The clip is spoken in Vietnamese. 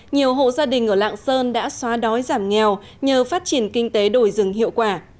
nhiều hộ gia đình ở lạng sơn đã xóa đói giảm nghèo nhờ phát triển kinh tế đổi rừng hiệu quả